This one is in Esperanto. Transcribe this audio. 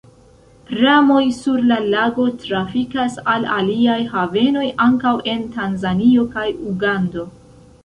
Pramoj sur la lago trafikas al aliaj havenoj, ankaŭ en Tanzanio kaj Ugando.